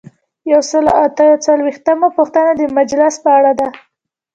یو سل او اته څلویښتمه پوښتنه د مجلس په اړه ده.